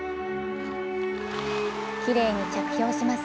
きれいに着氷します。